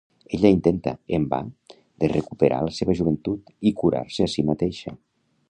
Ella intenta, en va, de recuperar la seva joventut i curar-se a si mateixa.